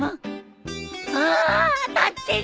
うわ当たってる！